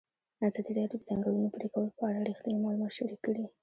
ازادي راډیو د د ځنګلونو پرېکول په اړه رښتیني معلومات شریک کړي.